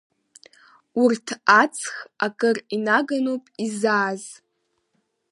Урҭ аҵх акыр инаганоуп изааз…